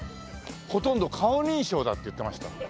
ほとんど顔認証だって言ってました。